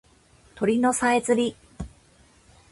鳥のさえずり